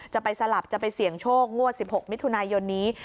จะไปสลับจะไปเสี่ยงโชคงวด๑๖มิถุนายนนี้